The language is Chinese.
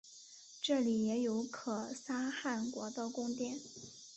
这里也有可萨汗国的宫殿。